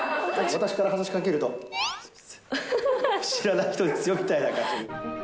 私から話しかけると、知らない人ですよみたいな感じに。